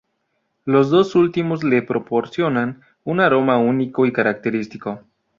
Los dos últimos le proporcionan un aroma único y característico.